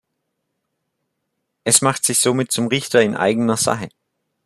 Es macht sich somit zum Richter in eigener Sache.